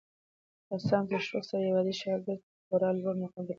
د استاد په تشویق سره یو عادي شاګرد خورا لوړ مقام ته رسېږي.